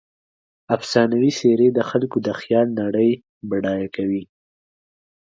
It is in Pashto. افسانوي څیرې د خلکو د خیال نړۍ بډایه کوي.